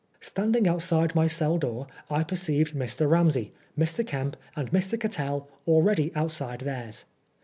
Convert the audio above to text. Standing outside my cell door, I perceived Mr. Ram sey, Mr. Kemp, and I^. Cattell already outside theirs.